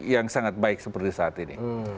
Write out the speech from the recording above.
yang sangat baik seperti saat ini